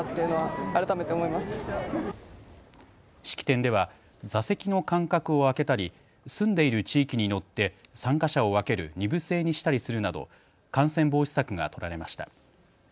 式典では座席の間隔を空けたり住んでいる地域によって参加者を分ける２部制にしたりするなど感染防止策が取られました。